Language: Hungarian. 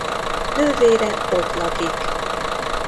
Nővére ott lakik.